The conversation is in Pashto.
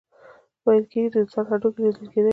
ویل کیږي د انسان هډوکي لیدل کیدی شي.